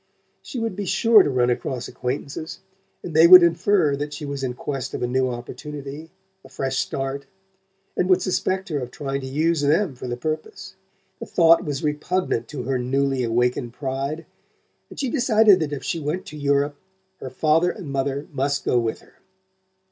She would be sure to run across acquaintances, and they would infer that she was in quest of a new opportunity, a fresh start, and would suspect her of trying to use them for the purpose. The thought was repugnant to her newly awakened pride, and she decided that if she went to Europe her father and mother must go with her.